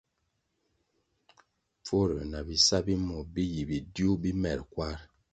Pfurųer na bisa bi muo bi yi bidiuh bi mer kwar.